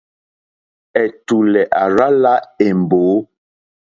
Ɛ̀tùlɛ̀ à rzá lā èmbǒ.